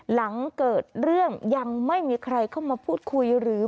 หลังเกิดเรื่องยังไม่มีใครเข้ามาพูดคุยหรือ